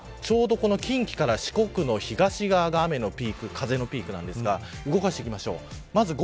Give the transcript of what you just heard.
今、近畿から四国の東側が雨のピーク風のピークなんですが動かしていきましょう。